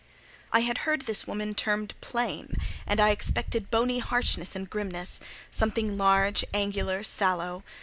I had heard this woman termed "plain," and I expected bony harshness and grimness—something large, angular, sallow.